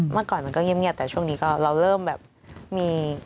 เมื่อก่อนมันก็เงียบแต่ช่วงนี้ก็เราเริ่มแบบมี